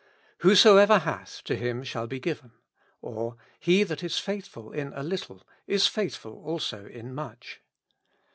Whoso ever hath, to him shall be given ; or, he that is faith ful in a little, is faithful also in much.